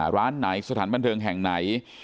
ร้านไหนสถานบันเทิงแห่งไหน